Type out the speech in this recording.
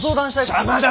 邪魔だ！